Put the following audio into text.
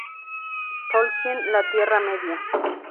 Tolkien la Tierra Media.